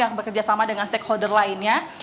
yang bekerja sama dengan stakeholder lainnya